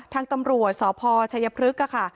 ทางตำรวจสพชัยพฤกษ์ค่ะ